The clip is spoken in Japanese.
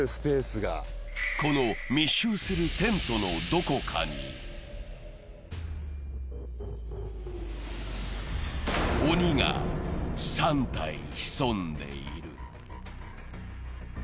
この密集するテントのどこかに鬼が３体潜んでいる。